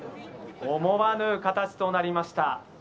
思わぬ形となりました。